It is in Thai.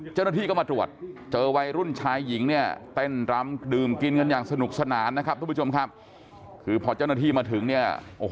เจ้าหน้าที่ก็มาตรวจเจอวัยรุ่นชายหญิงเนี่ย